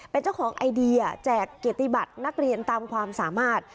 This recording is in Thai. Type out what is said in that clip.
เป็นเจ้าของไอเดียแจกเกียรติบัตรนักเรียนตามความสามารถ